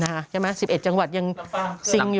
ใช่ไหม๑๑จังหวัดยังซิงอยู่